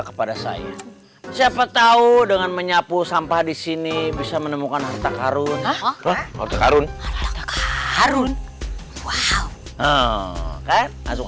kepada saya siapa tahu dengan menyapu sampah disini bisa menemukan harta karun karun karun